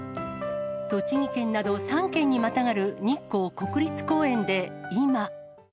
栃木県など３県にまたがる日光国立公園で今。